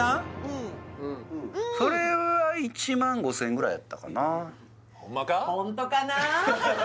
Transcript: うんそれは１万５０００円ぐらいやったかな・ホンマか？